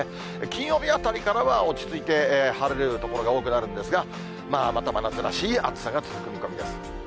金曜日あたりからは、落ち着いて晴れる所が多くなるんですが、また真夏らしい暑さが続く見込みです。